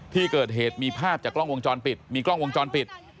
ที่เกิดเหตุมีภาพจากกล้องวงจรปิดมีกล้องวงจรปิด